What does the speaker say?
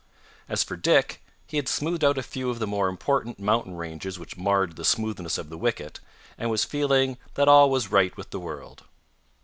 As for Dick, he had smoothed out a few of the more important mountain ranges which marred the smoothness of the wicket, and was feeling that all was right with the world.